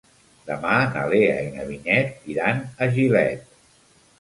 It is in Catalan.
Demà na Lea i na Vinyet iran a Gilet.